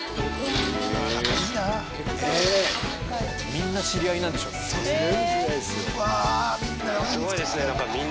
みんな知り合いなんでしょうね。